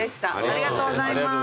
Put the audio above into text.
ありがとうございます。